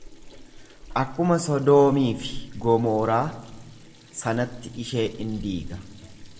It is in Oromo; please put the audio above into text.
Akkuma Sodoomii fi Gomoraa sanatti ishee in diiga.